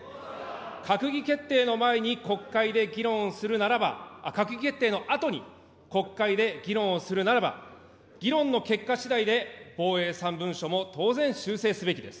閣議決定の前に、国会で議論するならば、閣議決定のあとに国会で議論をするならば、議論の結果しだいで防衛３文書も当然修正すべきです。